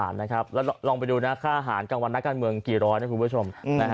นักการเมืองกี่ร้อยนะคุณผู้ชม